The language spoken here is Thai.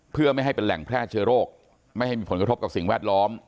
เพื่อไม่ให้เป็นแหล่งแพร่เชื้อโรคไม่ให้มีผลกระทบกับสิ่งแวดล้อม